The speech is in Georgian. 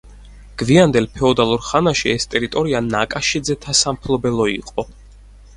გვიანდელ ფეოდალურ ხანაში ეს ტერიტორია ნაკაშიძეთა სამფლობელო იყო.